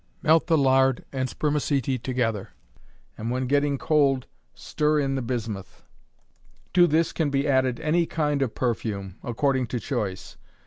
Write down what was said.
Melt the lard and spermaceti together, and when getting cold stir in the bismuth; to this can be added any kind of perfume, according to choice.